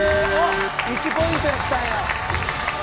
１ポイントやったんや。